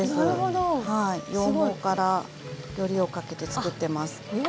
羊毛からよりをかけて作ってます。